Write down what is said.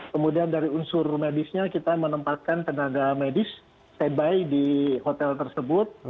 kemudian dari unsur medisnya kita menempatkan tenaga medis standby di hotel tersebut